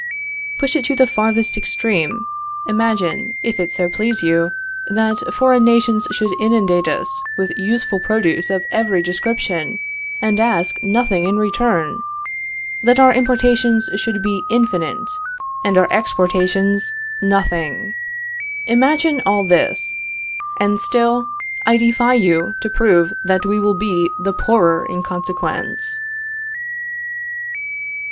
Push it to the farthest extreme; imagine, if it so please you, that foreign nations should inundate us with useful produce of every description, and ask nothing in return; that our importations should be infinite, and our exportations nothing. Imagine all this, and still I defy you to prove that we will be the poorer in consequence.